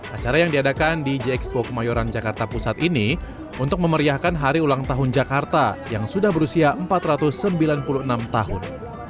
acara yang diadakan di jxpo kemayoran jakarta pusat ini untuk memeriahkan hari ulang tahun jakarta yang sudah berusia empat ratus sembilan puluh enam tahun